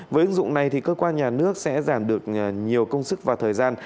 với ứng dụng này thì cơ quan nhà nước sẽ giảm được nhiều công sức và thời gian